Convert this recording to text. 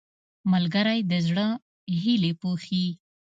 ملګری د زړه هیلې پوښي